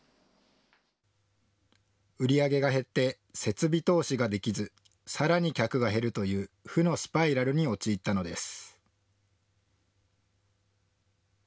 売り上げが減って設備投資ができずさらに客が減るという負のスパイラルに陥ったのです。